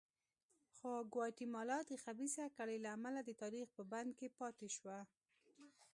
خو ګواتیمالا د خبیثه کړۍ له امله د تاریخ په بند کې پاتې شوه.